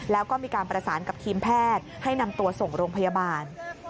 แล้วก็มีการประสานกับทีมแพทย์ให้นำตัวส่งโรงพยาบาล